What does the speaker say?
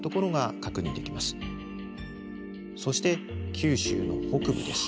そして九州の北部です。